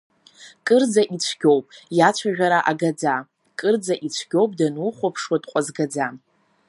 Кырӡа ицәгьоуп, иацәажәара агаӡа, кырӡа ицәгьоуп, данухәаԥшуа дҟәазгаӡа.